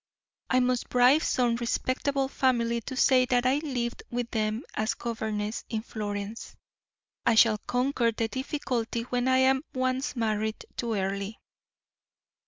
I must bribe some respectable family to say that I lived with them as governess in Florence. I shall conquer the difficulty when I am once married to Earle."